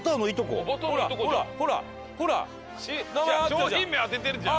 商品名当ててるじゃん。